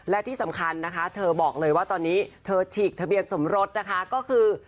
และที่สำคัญนะคะเธอบอกเลยว่าตอนนี้เธอฉีกทะเบียนสมรสนะคะก็คือ